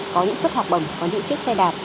có những suất học bổng có những chiếc xe đạp